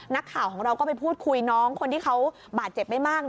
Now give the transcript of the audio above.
นักข่าวของเราก็ไปพูดคุยน้องคนที่เขาบาดเจ็บไม่มาก